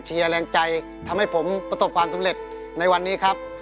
แรงใจทำให้ผมประสบความสำเร็จในวันนี้ครับ